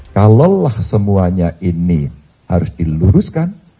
kalau lah semuanya ini harus diluruskan